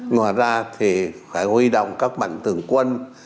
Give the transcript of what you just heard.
ngoài ra thì phải huy động các bệnh tường quân